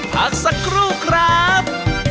พักสักครู่ครับ